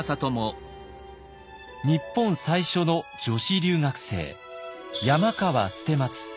日本最初の女子留学生山川捨松。